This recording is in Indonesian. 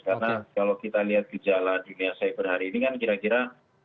karena kalau kita lihat kejalan dunia cyber hari ini kan kira kira